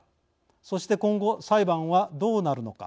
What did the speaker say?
そして今後裁判はどうなるのか。